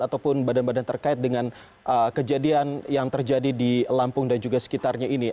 ataupun badan badan terkait dengan kejadian yang terjadi di lampung dan juga sekitarnya ini